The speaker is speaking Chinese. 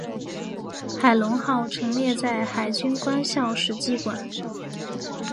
海龙号陈列在海军官校史绩馆。